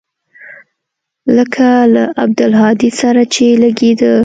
لکه له عبدالهادي سره چې لګېده.